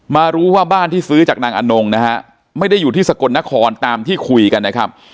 มารู้ว่าบ้านที่ซื้อจากนางอนงนะฮะไม่ได้อยู่ที่สกลนครตามที่คุยกันนะครับ